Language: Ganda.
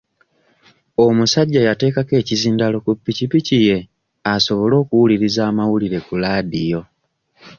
Omusajja yateekako ekizindalo ku piki piki ye asobole okuwuliriza amawulire ku laadiyo.